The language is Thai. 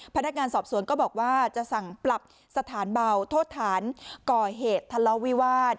พนักงานสอบสวนก็บอกว่าจะสั่งปรับสถานเบาโทษฐานก่อเหตุทะเลาะวิวาส